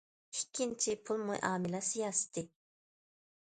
ئىككىنچى، پۇل مۇئامىلە سىياسىتى.